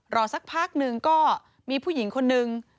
สักพักหนึ่งก็มีผู้หญิงคนนึง